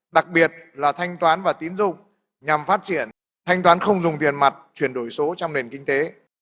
đặc biệt là thanh toán và tín dụng nhằm phát triển thanh toán không dùng tiền mặt chuyển đổi số trong nền kinh tế